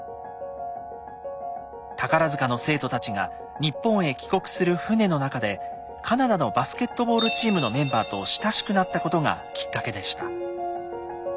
宝の生徒たちが日本へ帰国する船の中でカナダのバスケットボールチームのメンバーと親しくなったことがきっかけでした。